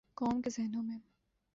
قوم کے ذہنوں میں۔